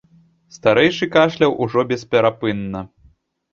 Старэйшы кашляў ужо бесперапынна.